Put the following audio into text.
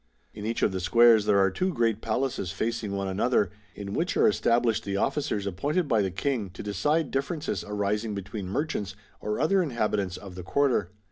In each of the squares there are two great palaces facing one another, in which are established the officers appointed by the King to decide differences arising between merchants, or other inhabitants of the quarter.